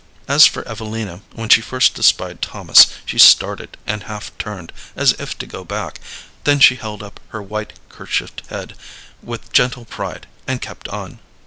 As for Evelina, when she first espied Thomas she started and half turned, as if to go back; then she held up her white kerchiefed head with gentle pride and kept on.